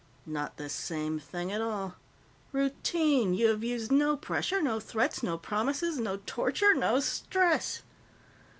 "Not the same thing at all. Routine. You have used no pressure. No threats, no promises, no torture, no stress."